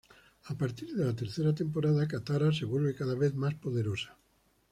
A partir de la tercera temporada, Katara se vuelve cada vez más poderosa.